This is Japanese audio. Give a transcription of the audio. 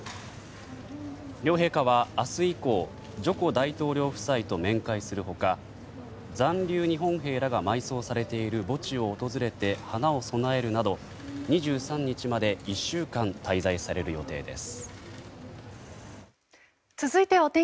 両陛下は明日以降ジョコ大統領夫妻と面会する他残留日本兵らが埋葬されている墓地を訪れて花を供えるなど２３日まで１週間滞在される予定です。